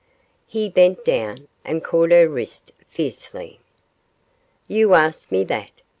He bent down, and caught her wrist fiercely. 'You ask me that?